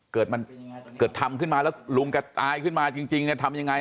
เกิดมันเกิดทำขึ้นมาแล้วลุงแกตายขึ้นมาจริงเนี่ยทำยังไง